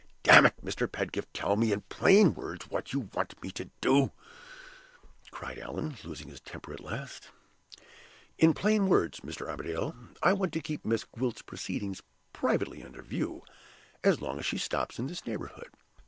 "Damn it, Mr. Pedgift, tell me in plain words what you want to do!" cried Allan, losing his temper at last. "In plain words, Mr. Armadale, I want to keep Miss Gwilt's proceedings privately under view, as long as she stops in this neighborhood.